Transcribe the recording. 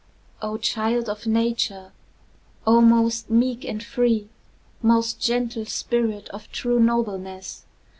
V. O child of Nature! O most meek and free, Most gentle spirit of true nobleness!